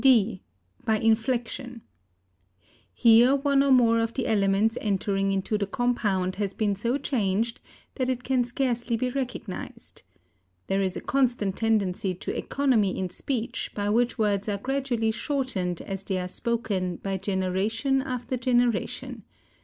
d. By inflection. Here one or more of the elements entering into the compound has been so changed that it can scarcely be recognized. There is a constant tendency to economy in speech by which words are gradually shortened as they are spoken by generation after generation.